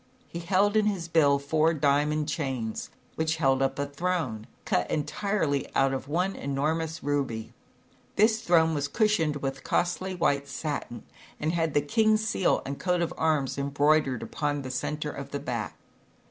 He held in his bill four diamond chains, which 134 2AUBERLINDA, THE WISE WITCH. held up a throne, cut entirely out of one enormous ruby. This throne was cushioned with costly white satin and had the king's seal and coat of arms embroidered upon the center of the back.